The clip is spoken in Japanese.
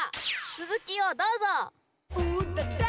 つづきをどうぞ。